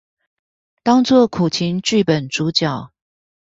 當做苦情劇本主角